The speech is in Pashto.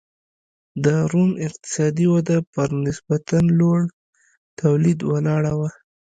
د روم اقتصادي وده پر نسبتا لوړ تولید ولاړه وه